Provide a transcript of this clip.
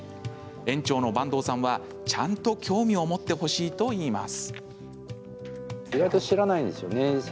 園長の坂東さんはちゃんと興味を持ってほしいといいます。